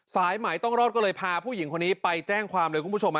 สายใหม่ต้องรอดก็เลยพาผู้หญิงคนนี้ไปแจ้งความเลยคุณผู้ชม